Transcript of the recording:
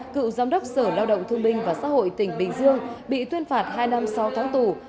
cựu giám đốc sở lao động thương minh và xã hội tỉnh bình dương bị tuyên phạt hai năm sau tháng tù